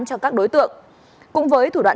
cho các đối tượng cùng với thủ đoạn